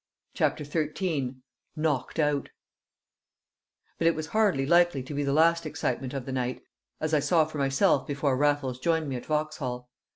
CHAPTER XIII Knocked Out But it was hardly likely to be the last excitement of the night, as I saw for myself before Raffles joined me at Vauxhall.